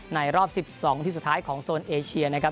รอบ๑๒ทีมสุดท้ายของโซนเอเชียนะครับ